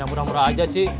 yang murah murah aja cik